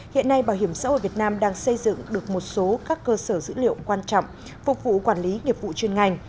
hiện nay bảo hiểm xã hội việt nam đang xây dựng được một số các cơ sở dữ liệu quan trọng phục vụ quản lý nghiệp vụ chuyên ngành